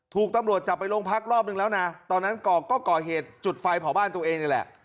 ถูกตำรวจจับไปโรงพักรอบนึงแล้วนะตอนนั้นก่อก็ก่อเหตุจุดไฟเผาบ้านตัวเองนี่แหละ